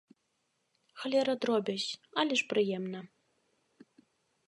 Халера, дробязь, але ж прыемна!